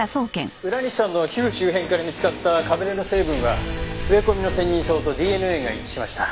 浦西さんの皮膚周辺から見つかったかぶれの成分は植え込みのセンニンソウとＤＮＡが一致しました。